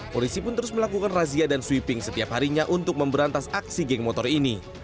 polisi pun terus melakukan razia dan sweeping setiap harinya untuk memberantas aksi geng motor ini